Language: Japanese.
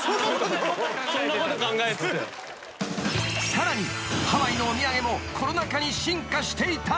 ［さらにハワイのお土産もコロナ禍に進化していた］